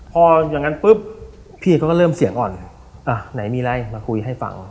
พออย่างนั้นปุ๊บพี่เขาก็เริ่มเสียงอ่อนอ่ะไหนมีอะไรมาคุยให้ฟัง